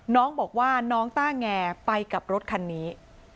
น้องบอกว่าน้องต้าแงไปกับรถคันนี้